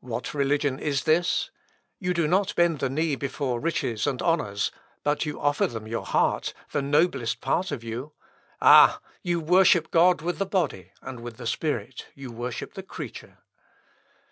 "What religion is this? You do not bend the knee before riches and honours, but you offer them your heart, the noblest part of you. Ah! you worship God with the body, and with the spirit you worship the creature.